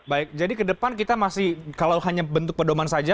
baik jadi ke depan kita masih kalau hanya bentuk pedoman saja